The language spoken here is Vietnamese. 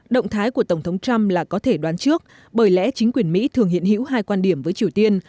động thái của tổng thống trump là có thể đoán trước bởi lẽ chính quyền mỹ thường hiện hữu hai quan điểm với triều tiên